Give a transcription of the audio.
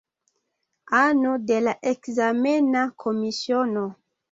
Ano de la ekzamena komisiono.